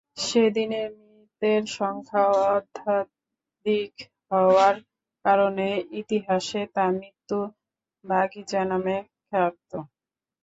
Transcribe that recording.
সেদিনের মৃতের সংখ্যা অত্যাধিক হওয়ার কারণে ইতিহাসে তা মৃত্যু-বাগিচা নামে খ্যাত।